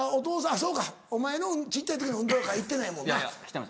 そうかお前の小っちゃい時の運動会行ってないもんな。来てます